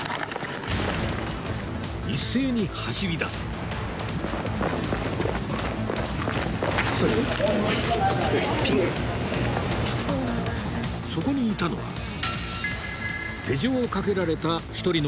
一斉に走り出すそこにいたのは手錠をかけられた一人の